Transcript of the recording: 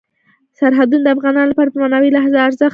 سرحدونه د افغانانو لپاره په معنوي لحاظ ارزښت لري.